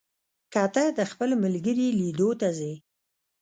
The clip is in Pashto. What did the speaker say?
که ته د خپل ملګري لیدو ته ځې،